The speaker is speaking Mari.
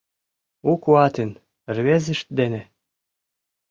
«У куатын» рвезышт дене